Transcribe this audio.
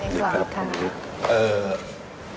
สวัสดีครับ